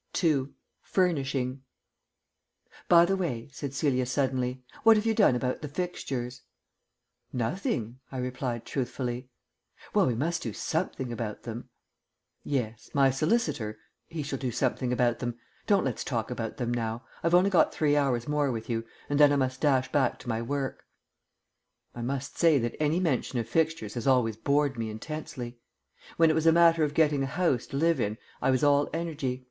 II. FURNISHING "By the way," said Celia suddenly, "what have you done about the fixtures?" "Nothing," I replied truthfully. "Well, we must do something about them." "Yes. My solicitor he shall do something about them. Don't let's talk about them now. I've only got three hours more with you, and then I must dash back to my work." I must say that any mention of fixtures has always bored me intensely. When it was a matter of getting a house to live in I was all energy.